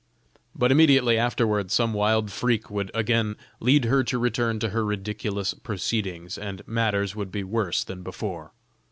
But immediately afterward, some wild freak would again lead her to return to her ridiculous proceedings, and matters would be worse than before.